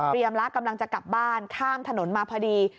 พรียามรักกำลังจะกลับบ้านข้ามถนนมาพอดี